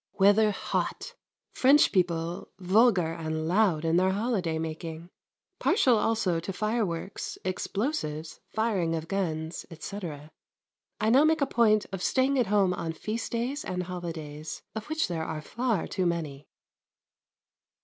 Weather hot. French people vulgar and loud in their holiday making, partial also to fireworks, explosives, firing of guns, etc. I now make a point of staying at home on Feast days and holidays, of which there are far too many.